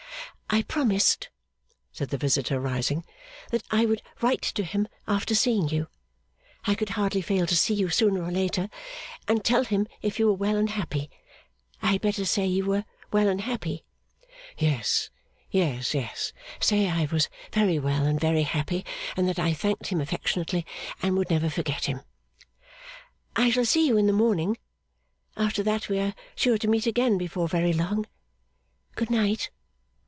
'I promised,' said the visitor, rising, 'that I would write to him after seeing you (I could hardly fail to see you sooner or later), and tell him if you were well and happy. I had better say you were well and happy.' 'Yes, yes, yes! Say I was very well and very happy. And that I thanked him affectionately, and would never forget him.' 'I shall see you in the morning. After that we are sure to meet again before very long. Good night!